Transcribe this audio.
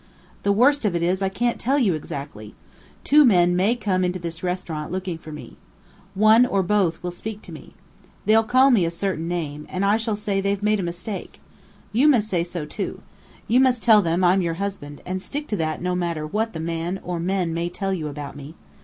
"The worst of it is, I can't tell you exactly. Two men may come into this restaurant looking for me. One or both will speak to me. They'll call me a certain name, and I shall say they've made a mistake. You must say so, too. You must tell them I'm your husband, and stick to that no matter what the man, or men, may tell you about me.